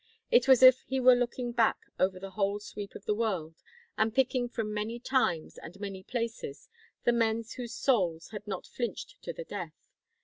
It was as if he were looking back over the whole sweep of the world and picking from many times and many places the men whose souls had not flinched to the death.